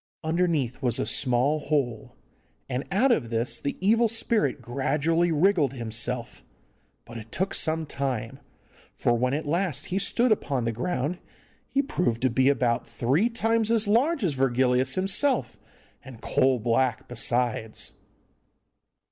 Underneath was a small hole, and out of this the evil spirit gradually wriggled himself; but it took some time, for when at last he stood upon the ground he proved to be about three times as large as Virgilius himself, and coal black besides.